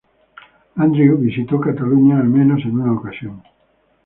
Andrew visitó Cataluña al menos en una ocasión.